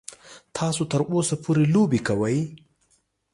تاسو تر اوسه پورې لوبې کوئ.